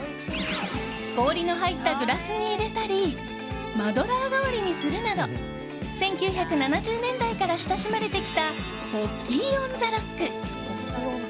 氷の入ったグラスに入れたりマドラー代わりにするなど１９７０年代から親しまれてきたポッキー・オン・ザ・ロック。